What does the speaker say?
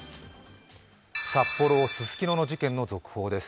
札幌・ススキノの事件の続報です。